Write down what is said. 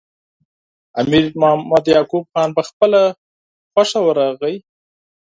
امیر محمد یعقوب خان په خپله خوښه ورغی.